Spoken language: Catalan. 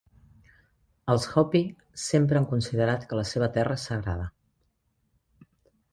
Els hopi sempre han considerat que la seva terra és sagrada.